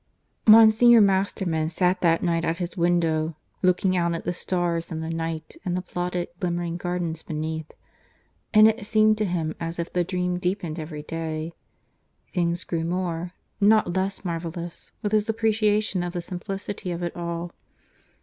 (III) Monsignor Masterman sat that night at his window, looking out at the stars and the night and the blotted glimmering gardens beneath; and it seemed to him as if the Dream deepened every day. Things grew more, not less marvellous, with his appreciation of the simplicity of it all.